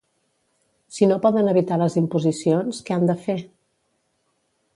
Si no poden evitar les imposicions, què han de fer?